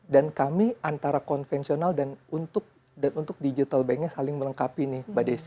dan kami antara konvensional dan untuk digital banknya saling melengkapi nih mbak desy